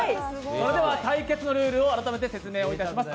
対決のルールを改めて説明いたします。